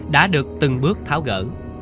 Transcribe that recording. đã được từng bước tháo gỡ